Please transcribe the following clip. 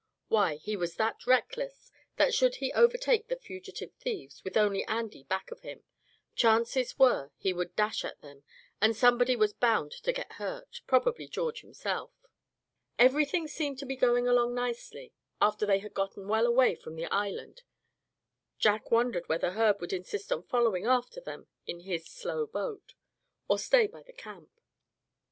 Why, he was that reckless, that, should he overtake the fugitive thieves, with only Andy back of him, chances were he would dash at them, and somebody was bound to get hurt, probably George himself. Everything seemed to be going along nicely, after they had gotten well away from the island. Jack wondered whether Herb would insist on following after them in his slow boat, or stay by the camp.